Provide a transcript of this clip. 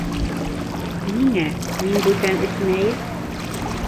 — Ниңә, мин бүтән эсмәйем.